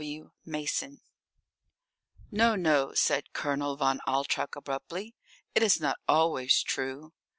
W. Mason_ "NO, no," said Colonel von Altrock abruptly. "It is not always true."